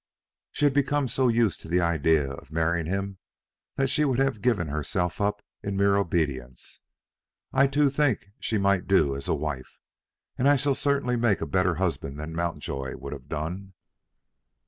She had become so used to the idea of marrying him that she would have given herself up in mere obedience. I too think that she might do as a wife, and I shall certainly make a better husband than Mountjoy would have done."